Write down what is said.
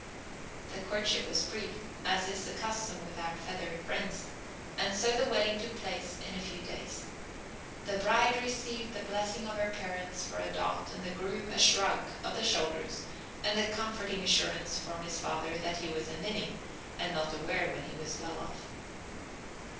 The courtship was brief, as is the custom with our feathered friends, and so the wedding took place in a few days. The bride received the blessing of her parents for a dot and the groom a shrug of the shoulders and the comforting assurance from his father that he was a "ninny" and not aware when he was well off.